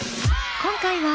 今回は